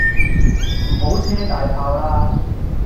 唔好車大炮啦